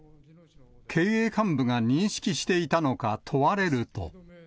経営幹部が認識していたのか問われると。